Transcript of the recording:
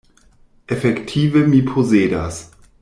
Efektive mi posedas.